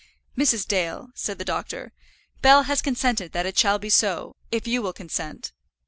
"Mrs. Dale," said the doctor, "Bell has consented that it shall be so, if you will consent."